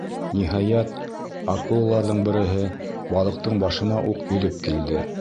Ниһайәт, акулаларҙың береһе балыҡтың башына уҡ йөҙөп килде.